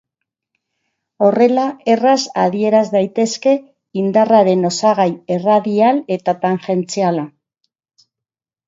Horrela, erraz adieraz daitezke indarraren osagai erradial eta tangentziala.